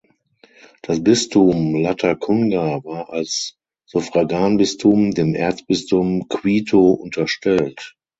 Das Bistum Latacunga war als Suffraganbistum dem Erzbistum Quito unterstellt.